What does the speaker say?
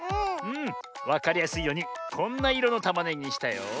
わかりやすいようにこんないろのたまねぎにしたよ。